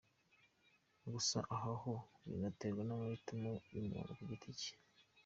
Gusa aha ho binaterwa n’amahitamo y’umuntu ku giti cye.